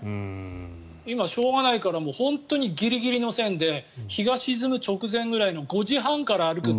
今、しょうがないからギリギリの線で日が沈む直前ぐらいの５時半から歩くって